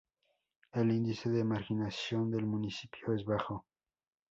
El índice de marginación del municipio es bajo.